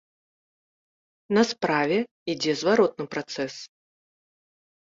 На справе ідзе зваротны працэс.